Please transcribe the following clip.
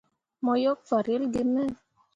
Mo yok farelle gi me.